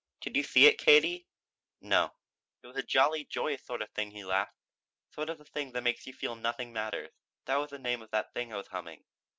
"Did you see it, Katie?" "No." "It was a jolly, joyous sort of thing," he laughed. "Sort of thing to make you feel nothing matters. That was the name of that thing I was humming.